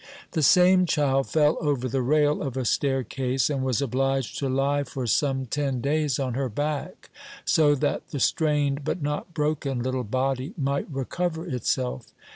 The same child fell over the rail of a staircase and was obliged to lie for some ten days on her back, so that the strained but not broken little body might recover itself.